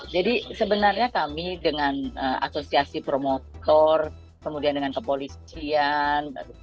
jadi sebenarnya kami dengan asosiasi promotor kemudian dengan kepolisian